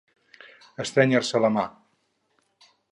Estrènyer-se la mà.